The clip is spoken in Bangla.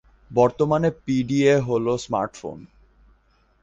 বর্তমানে পি ডি এ হল স্মার্ট ফোন।